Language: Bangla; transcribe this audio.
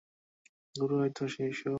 অনেক সময় গুরু হয়তো তরুণ, শিষ্য বয়োবৃদ্ধ।